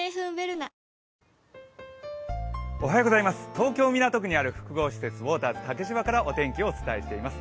東京・港区にある複合施設、ウォーターズ竹芝からお天気をお伝えしています。